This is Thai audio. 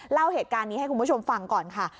เล่าเหตุการณ์นี้ให้คุณผู้ชมฟังก่อนค่ะ